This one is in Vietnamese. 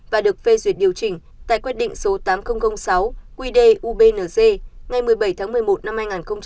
và được phê duyệt điều chỉnh tại quy định số tám nghìn sáu quy đề ubnz ngày một mươi bảy tháng một mươi một năm hai nghìn một mươi bảy